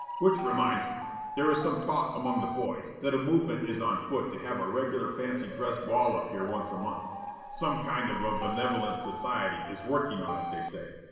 Which reminds me. There is some talk among the boys that a movement is on foot to have a regular fancy dress ball up here once a month. Some kind of a benevolent society is working on it they say.